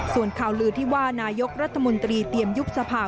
ส่วนข่าวลือที่ว่านายกรัฐมนตรีเตรียมยุบสภา